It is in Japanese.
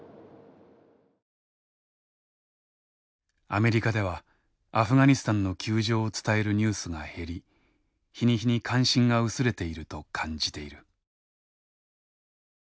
アメリカではアフガニスタンの窮状を伝えるニュースが減り日に日に関心が薄れていると感じている。